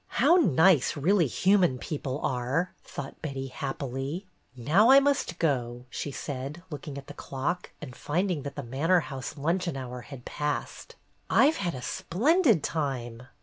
"How nice really human people are!" thought Betty, happily. "Now I must go," she said, looking at the clock, and finding that the manor house luncheon hour had passed. "I 've had a splendid time."